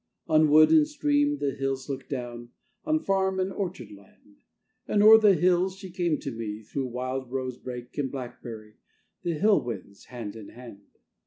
On wood and stream the hills look down, On farm and orchard land; And o'er the hills she came to me Through wildrose brake and blackberry, The hill winds hand in hand.